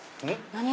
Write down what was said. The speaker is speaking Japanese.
何？